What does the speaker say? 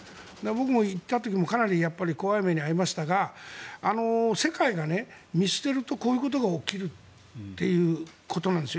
僕も行った時もかなり怖い目に遭いましたが世界が見捨てるとこういうことが起きるということなんです。